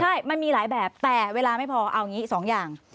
ใช่มันมีหลายแบบแต่เวลาไม่พอเอาอย่างนี้๒อย่าง